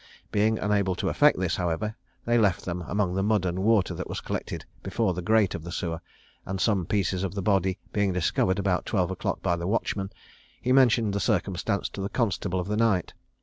Being unable to effect this, however, they left them among the mud and water that was collected before the grate of the sewer; and some pieces of the body being discovered about twelve o'clock by the watchman, he mentioned the circumstance to the constable of the night.